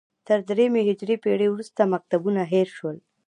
تر درېیمې هجري پېړۍ وروسته مکتبونه هېر شول